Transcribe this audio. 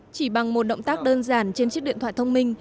chỉ bằng một động tác đơn giản trên chiếc điện thoại thông minh